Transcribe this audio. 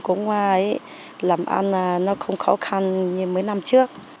cũng làm ăn nó không khó khăn như mấy năm trước